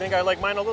ini enak banget